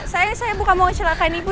saya saya bukan mau ngecelakain ibu